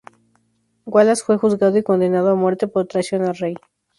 Wallace fue juzgado y condenado a muerte por traición al rey.